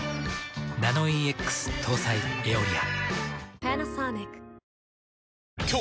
ナノイーＸ搭載「エオリア」。